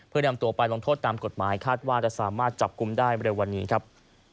เพื่อนำตัวไปลงโทษตามกฎหมายคาดว่าจะสามารถจับกลุ่มได้เร็ววันนี้ครับ